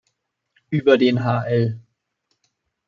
Über den hl.